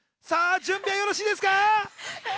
準備はよろしいですか？